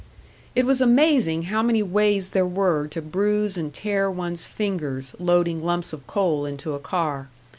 It was amazing how many ways there were to bruise and tear one's fingers, loading lumps of coal into a car.